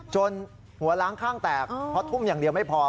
หัวล้างข้างแตกเพราะทุ่มอย่างเดียวไม่พอ